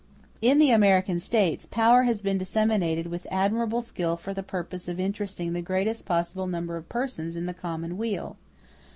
In the American States power has been disseminated with admirable skill for the purpose of interesting the greatest possible number of persons in the common weal.